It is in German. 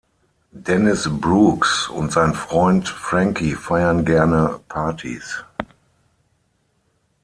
Dennis Brooks und sein Freund Frankie feiern gerne Partys.